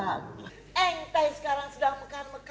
eng tai sekarang sedang mekar mekar gak